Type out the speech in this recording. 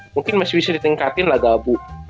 mungkin masih bisa ditingkatin lah gabu